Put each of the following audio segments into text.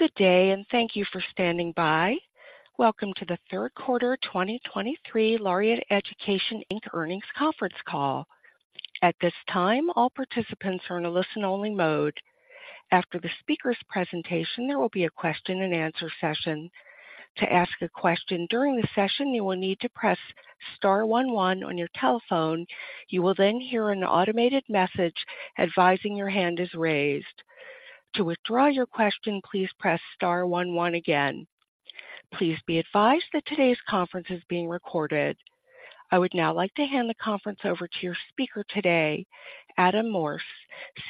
Good day, and thank you for standing by. Welcome to the third quarter 2023 Laureate Education Inc earnings conference call. At this time, all participants are in a listen-only mode. After the speaker's presentation, there will be a question-and-answer session. To ask a question during the session, you will need to press star one one on your telephone. You will then hear an automated message advising your hand is raised. To withdraw your question, please press star one one again. Please be advised that today's conference is being recorded. I would now like to hand the conference over to your speaker today, Adam Morse,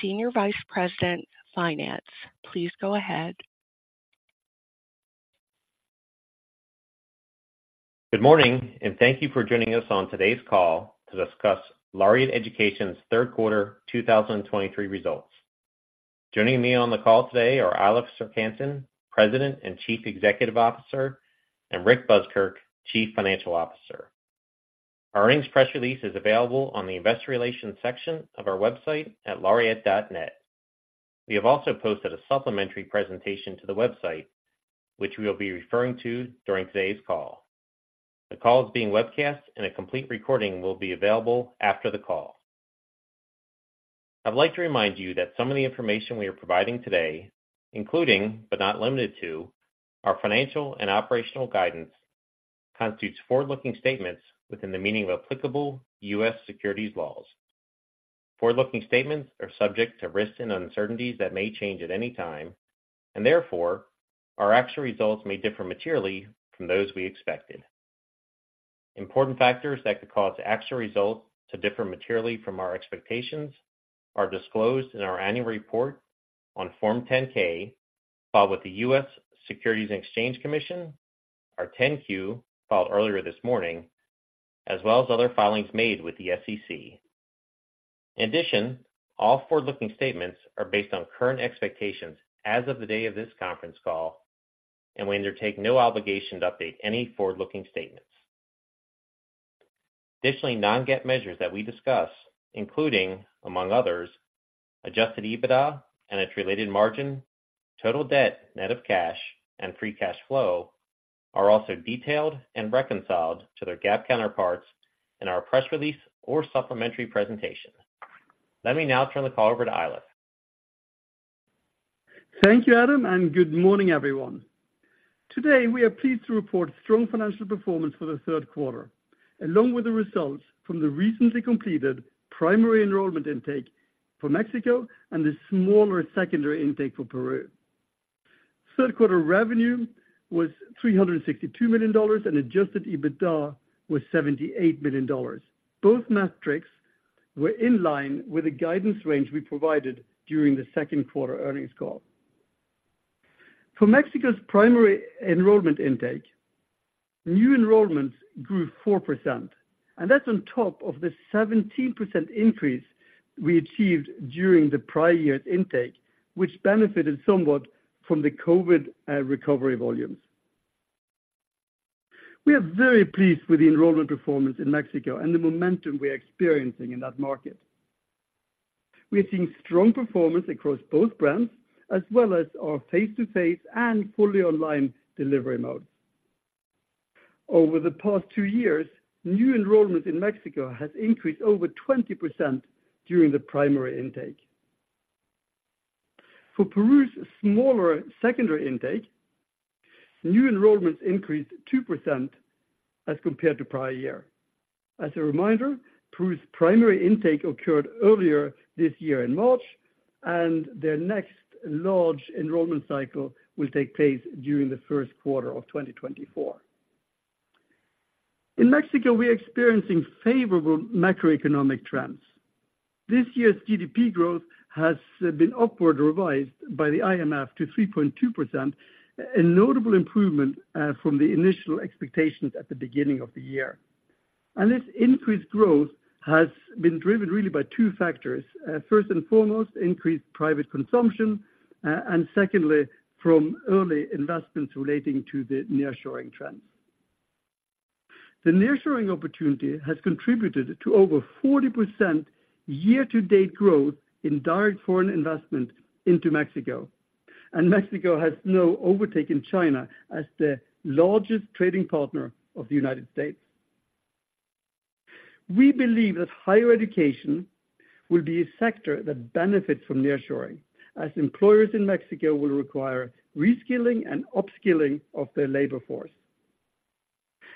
Senior Vice President, Finance. Please go ahead. Good morning, and thank you for joining us on today's call to discuss Laureate Education's third quarter 2023 results. Joining me on the call today are Eilif Serck-Hanssen, President and Chief Executive Officer, and Rick Buskirk, Chief Financial Officer. Our earnings press release is available on the investor relations section of our website at laureate.net. We have also posted a supplementary presentation to the website, which we will be referring to during today's call. The call is being webcast, and a complete recording will be available after the call. I'd like to remind you that some of the information we are providing today, including, but not limited to, our financial and operational guidance, constitutes forward-looking statements within the meaning of applicable U.S. securities laws. Forward-looking statements are subject to risks and uncertainties that may change at any time, and therefore, our actual results may differ materially from those we expected. Important factors that could cause actual results to differ materially from our expectations are disclosed in our annual report on Form 10-K, filed with the U.S. Securities and Exchange Commission, our 10-Q, filed earlier this morning, as well as other filings made with the SEC. In addition, all forward-looking statements are based on current expectations as of the day of this conference call, and we undertake no obligation to update any forward-looking statements. Additionally, non-GAAP measures that we discuss, including, among others, adjusted EBITDA and its related margin, total debt net of cash, and free cash flow, are also detailed and reconciled to their GAAP counterparts in our press release or supplementary presentation. Let me now turn the call over to Eilif. Thank you, Adam, and good morning, everyone. Today, we are pleased to report strong financial performance for the third quarter, along with the results from the recently completed primary enrollment intake for Mexico and the smaller secondary intake for Peru. Third quarter revenue was $362 million, and adjusted EBITDA was $78 million. Both metrics were in line with the guidance range we provided during the second quarter earnings call. For Mexico's primary enrollment intake, new enrollments grew 4%, and that's on top of the 17% increase we achieved during the prior year's intake, which benefited somewhat from the COVID recovery volumes. We are very pleased with the enrollment performance in Mexico and the momentum we are experiencing in that market. We are seeing strong performance across both brands, as well as our face-to-face and fully online delivery modes. Over the past two years, new enrollments in Mexico has increased over 20% during the primary intake. For Peru's smaller secondary intake, new enrollments increased 2% as compared to prior year. As a reminder, Peru's primary intake occurred earlier this year in March, and their next large enrollment cycle will take place during the first quarter of 2024. In Mexico, we are experiencing favorable macroeconomic trends. This year's GDP growth has been upward revised by the IMF to 3.2%, a notable improvement from the initial expectations at the beginning of the year. This increased growth has been driven really by two factors. First and foremost, increased private consumption, and secondly, from early investments relating to the nearshoring trends. The nearshoring opportunity has contributed to over 40% year-to-date growth in direct foreign investment into Mexico, and Mexico has now overtaken China as the largest trading partner of the United States. We believe that higher education will be a sector that benefits from nearshoring, as employers in Mexico will require reskilling and upskilling of their labor force.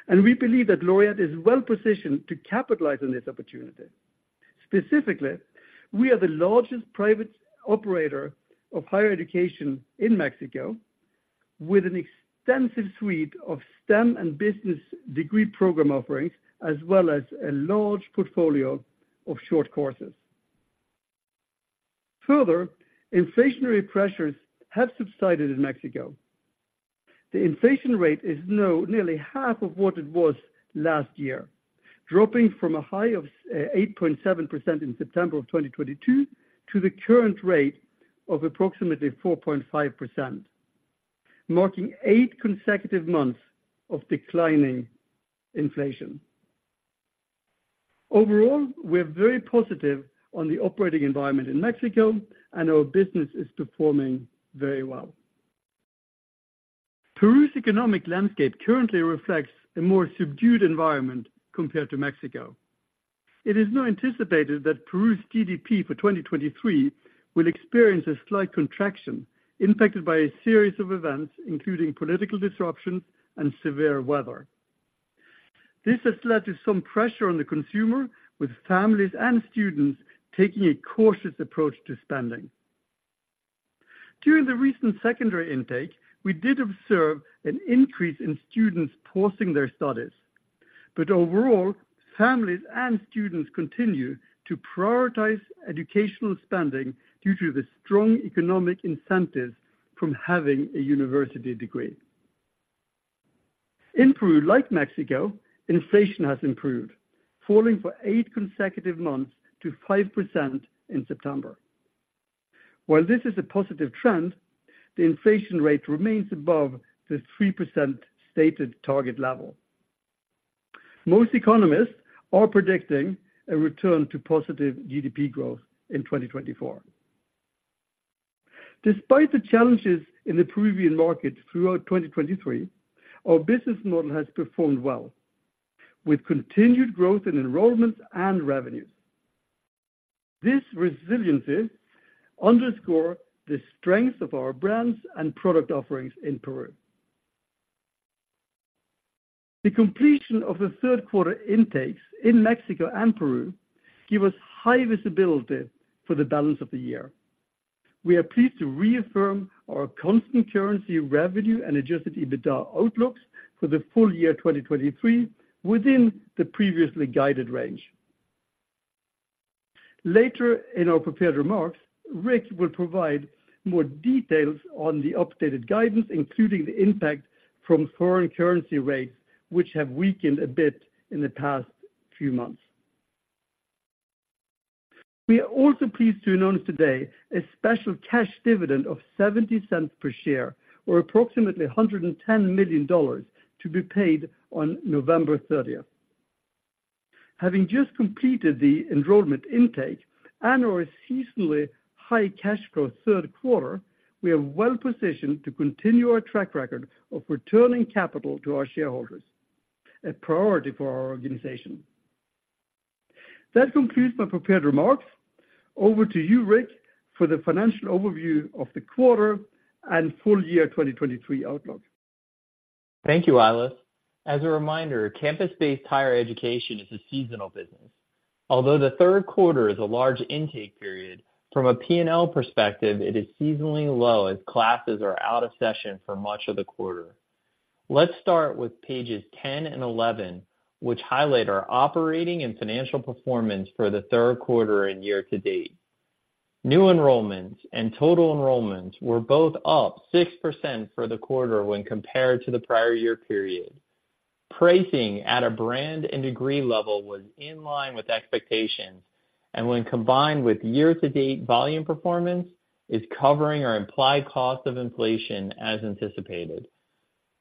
We believe that Laureate is well positioned to capitalize on this opportunity. Specifically, we are the largest private operator of higher education in Mexico, with an extensive suite of STEM and business degree program offerings, as well as a large portfolio of short courses. Further, inflationary pressures have subsided in Mexico. The inflation rate is now nearly half of what it was last year, dropping from a high of 8.7% in September of 2022 to the current rate of approximately 4.5%, marking eight consecutive months of declining inflation. Overall, we're very positive on the operating environment in Mexico, and our business is performing very well. Peru's economic landscape currently reflects a more subdued environment compared to Mexico. It is now anticipated that Peru's GDP for 2023 will experience a slight contraction, impacted by a series of events, including political disruptions and severe weather. This has led to some pressure on the consumer, with families and students taking a cautious approach to spending. During the recent secondary intake, we did observe an increase in students pausing their studies, but overall, families and students continue to prioritize educational spending due to the strong economic incentives from having a university degree. In Peru, like Mexico, inflation has improved, falling for eight consecutive months to 5% in September. While this is a positive trend, the inflation rate remains above the 3% stated target level. Most economists are predicting a return to positive GDP growth in 2024. Despite the challenges in the Peruvian market throughout 2023, our business model has performed well, with continued growth in enrollments and revenues. This resiliency underscore the strength of our brands and product offerings in Peru. The completion of the third quarter intakes in Mexico and Peru give us high visibility for the balance of the year. We are pleased to reaffirm our constant currency revenue and adjusted EBITDA outlooks for the full year 2023, within the previously guided range. Later in our prepared remarks, Rick will provide more details on the updated guidance, including the impact from foreign currency rates, which have weakened a bit in the past few months. We are also pleased to announce today a special cash dividend of $0.70 per share, or approximately $110 million, to be paid on November 30th. Having just completed the enrollment intake and our seasonally high cash flow third quarter, we are well positioned to continue our track record of returning capital to our shareholders, a priority for our organization. That concludes my prepared remarks. Over to you, Rick, for the financial overview of the quarter and full year 2023 outlook. Thank you, Eilif. As a reminder, campus-based higher education is a seasonal business. Although the third quarter is a large intake period, from a P&L perspective, it is seasonally low as classes are out of session for much of the quarter. Let's start with pages 10 and 11, which highlight our operating and financial performance for the third quarter and year to date. New enrollments and total enrollments were both up 6% for the quarter when compared to the prior year period. Pricing at a brand and degree level was in line with expectations, and when combined with year-to-date volume performance, is covering our implied cost of inflation as anticipated.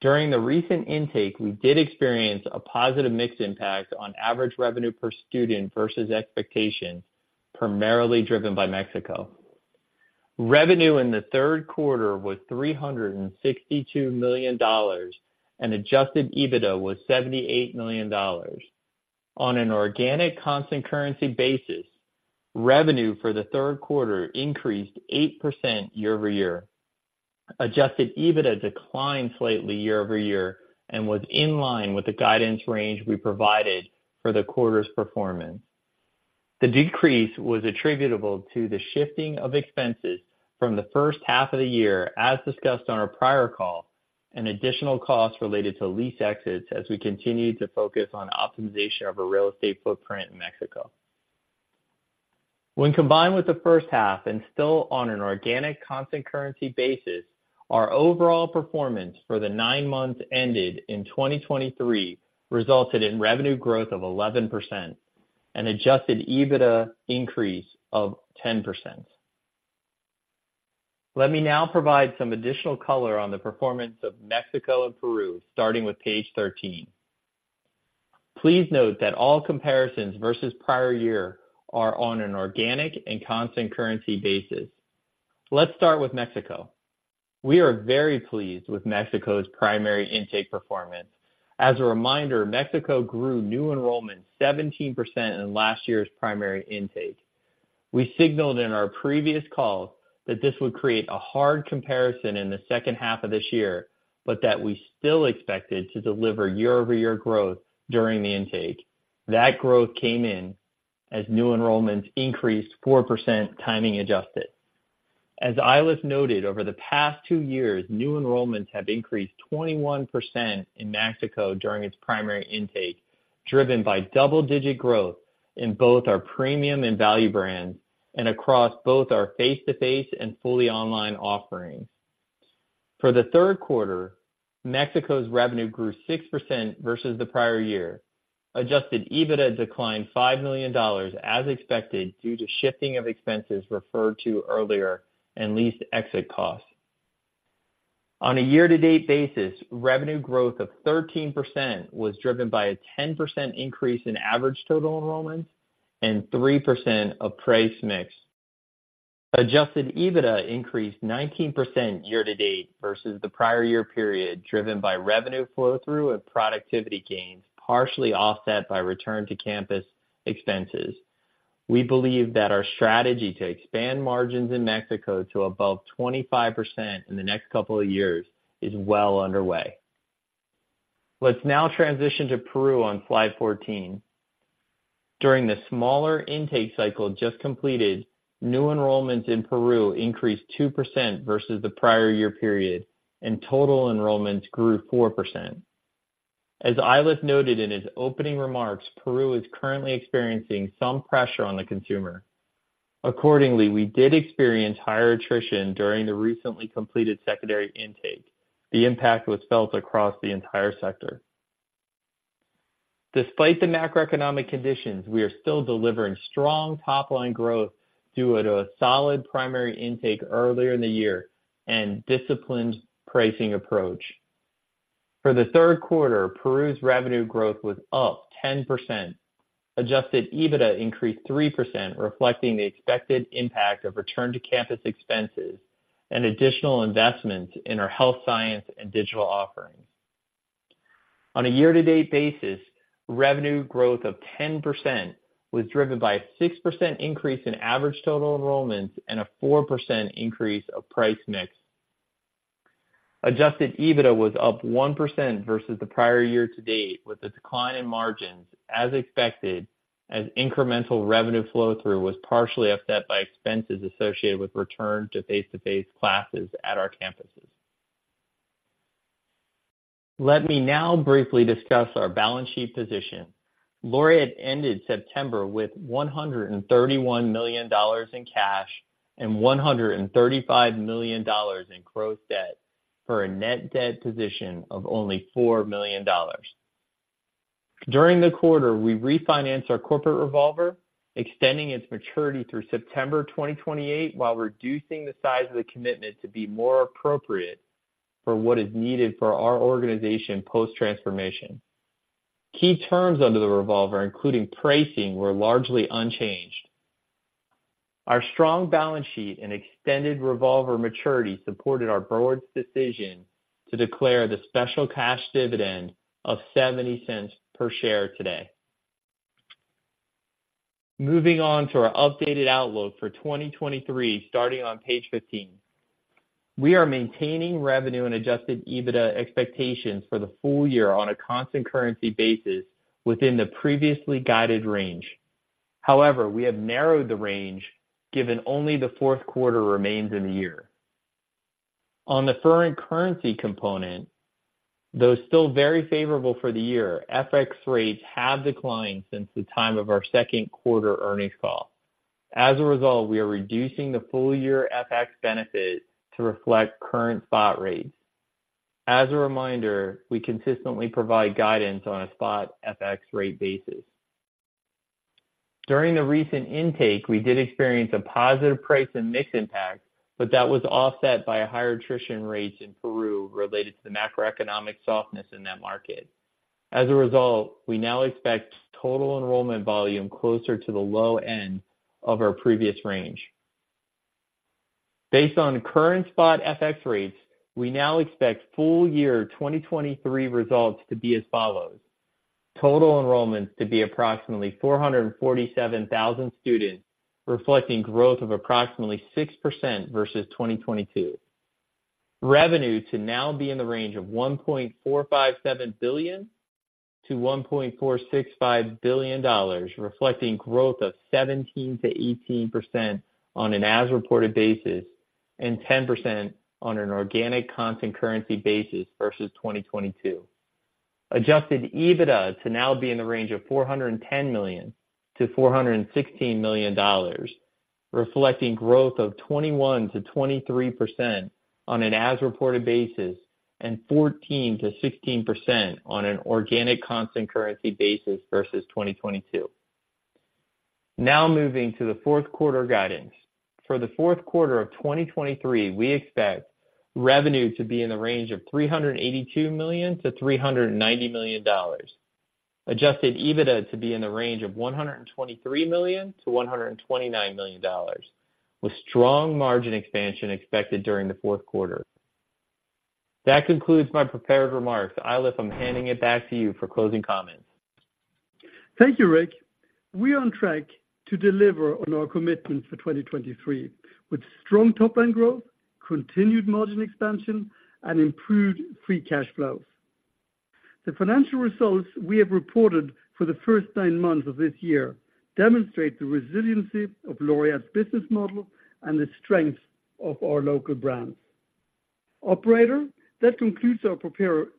During the recent intake, we did experience a positive mix impact on average revenue per student versus expectations, primarily driven by Mexico. Revenue in the third quarter was $362 million, and adjusted EBITDA was $78 million. On an organic constant currency basis, revenue for the third quarter increased 8% year-over-year. Adjusted EBITDA declined slightly year-over-year and was in line with the guidance range we provided for the quarter's performance. The decrease was attributable to the shifting of expenses from the first half of the year, as discussed on our prior call, and additional costs related to lease exits as we continue to focus on optimization of our real estate footprint in Mexico. When combined with the first half and still on an organic constant currency basis, our overall performance for the nine months ended in 2023 resulted in revenue growth of 11% and adjusted EBITDA increase of 10%. Let me now provide some additional color on the performance of Mexico and Peru, starting with page 13. Please note that all comparisons versus prior year are on an organic and constant currency basis. Let's start with Mexico. We are very pleased with Mexico's primary intake performance. As a reminder, Mexico grew new enrollments 17% in last year's primary intake. We signaled in our previous calls that this would create a hard comparison in the second half of this year, but that we still expected to deliver year-over-year growth during the intake. That growth came in as new enrollments increased 4%, timing adjusted. As Eilif noted, over the past two years, new enrollments have increased 21% in Mexico during its primary intake, driven by double-digit growth in both our premium and value brands and across both our face-to-face and fully online offerings. For the third quarter, Mexico's revenue grew 6% versus the prior year. Adjusted EBITDA declined $5 million as expected, due to shifting of expenses referred to earlier and lease exit costs. On a year-to-date basis, revenue growth of 13% was driven by a 10% increase in average total enrollments and 3% of price mix. Adjusted EBITDA increased 19% year-to-date versus the prior year period, driven by revenue flow-through and productivity gains, partially offset by return to campus expenses. We believe that our strategy to expand margins in Mexico to above 25% in the next couple of years is well underway. Let's now transition to Peru on slide 14. During the smaller intake cycle just completed, new enrollments in Peru increased 2% versus the prior year period, and total enrollments grew 4%. As Eilif noted in his opening remarks, Peru is currently experiencing some pressure on the consumer. Accordingly, we did experience higher attrition during the recently completed secondary intake. The impact was felt across the entire sector. Despite the macroeconomic conditions, we are still delivering strong top-line growth due to a solid primary intake earlier in the year and disciplined pricing approach. For the third quarter, Peru's revenue growth was up 10%. Adjusted EBITDA increased 3%, reflecting the expected impact of return to campus expenses and additional investments in our health science and digital offerings. On a year-to-date basis, revenue growth of 10% was driven by a 6% increase in average total enrollments and a 4% increase of price mix. Adjusted EBITDA was up 1% versus the prior year to date, with a decline in margins as expected, as incremental revenue flow-through was partially offset by expenses associated with return to face-to-face classes at our campuses. Let me now briefly discuss our balance sheet position. Laureate ended September with $131 million in cash and $135 million in gross debt, for a net debt position of only $4 million. During the quarter, we refinanced our corporate revolver, extending its maturity through September 2028, while reducing the size of the commitment to be more appropriate for what is needed for our organization post-transformation. Key terms under the revolver, including pricing, were largely unchanged. Our strong balance sheet and extended revolver maturity supported our board's decision to declare the special cash dividend of $0.70 per share today. Moving on to our updated outlook for 2023, starting on page 15. We are maintaining revenue and adjusted EBITDA expectations for the full year on a constant currency basis within the previously guided range. However, we have narrowed the range, given only the fourth quarter remains in the year. On the foreign currency component, though still very favorable for the year, FX rates have declined since the time of our second quarter earnings call. As a result, we are reducing the full year FX benefit to reflect current spot rates. As a reminder, we consistently provide guidance on a spot FX rate basis. During the recent intake, we did experience a positive price and mix impact, but that was offset by a higher attrition rates in Peru related to the macroeconomic softness in that market. As a result, we now expect total enrollment volume closer to the low end of our previous range. Based on current spot FX rates, we now expect full year 2023 results to be as follows: Total enrollments to be approximately 447,000 students, reflecting growth of approximately 6% versus 2022. Revenue to now be in the range of $1.457 billion-$1.465 billion, reflecting growth of 17%-18% on an as-reported basis and 10% on an organic constant currency basis versus 2022. Adjusted EBITDA to now be in the range of $410 million-$416 million, reflecting growth of 21%-23% on an as-reported basis and 14%-16% on an organic constant currency basis versus 2022. Now moving to the fourth quarter guidance. For the fourth quarter of 2023, we expect revenue to be in the range of $382 million-$390 million. Adjusted EBITDA to be in the range of $123 million-$129 million, with strong margin expansion expected during the fourth quarter. That concludes my prepared remarks. Eilif, I'm handing it back to you for closing comments. Thank you, Rick. We are on track to deliver on our commitments for 2023, with strong top line growth, continued margin expansion, and improved free cash flows. The financial results we have reported for the first nine months of this year demonstrate the resiliency of Laureate's business model and the strength of our local brands. Operator, that concludes our prepared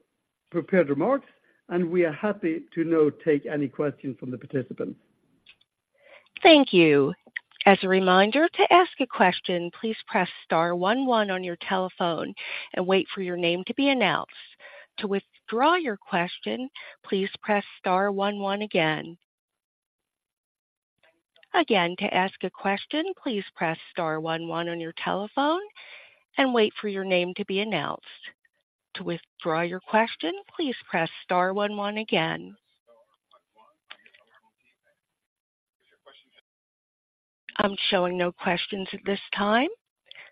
remarks, and we are happy to now take any questions from the participants. Thank you. As a reminder, to ask a question, please press star one one on your telephone and wait for your name to be announced. To withdraw your question, please press star one one again. Again, to ask a question, please press star one one on your telephone and wait for your name to be announced. To withdraw your question, please press star one one again. I'm showing no questions at this time.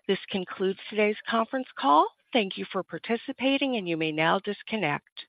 This concludes today's conference call. Thank you for participating, and you may now disconnect.